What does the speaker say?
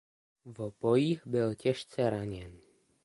V bojích byl těžce raněn.